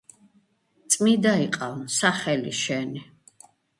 წმიდა იყავნ სახელი შენი